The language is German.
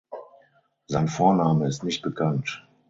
Sein Vorname ist nicht bekannt.